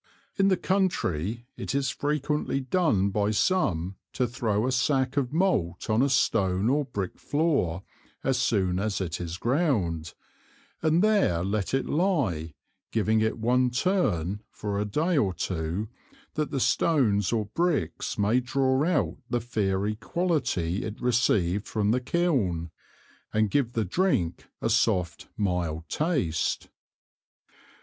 In the Country it is frequently done by some to throw a Sack of Malt on a Stone or Brick floor as soon as it is ground, and there let it lye, giving it one turn, for a Day or two, that the Stones or Bricks may draw out the fiery Quality it received from the Kiln, and give the Drink a soft mild Taste.